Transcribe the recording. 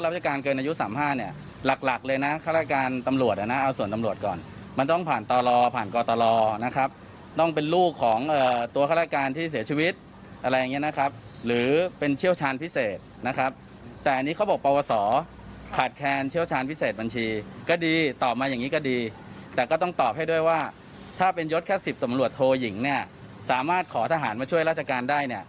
เพราะว่าถ้าเป็นยศแค่๑๐ตำรวจโทหยิงสามารถขอทหารมาช่วยราชการได้